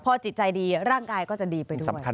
พอจิตใจดีร่างกายก็จะดีไปด้วย